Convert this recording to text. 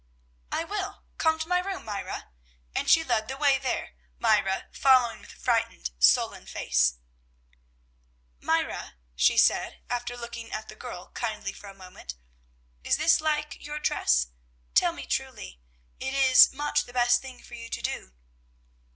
"I will; come to my room, Myra!" and she led the way there, Myra following with a frightened, sullen face. Then she found the piece, and laid it on the table. "Myra," she said, after looking at the girl kindly for a moment, "is this like your dress? Tell me truly; it is much the best thing for you to do."